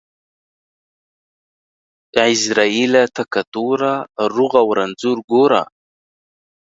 عزرائيله تکه توره ، روغ او رنځور گوره.